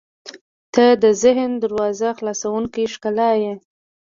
• ته د ذهن دروازه خلاصوونکې ښکلا یې.